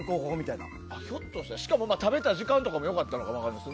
しかも食べた時間とかが良かったのかも。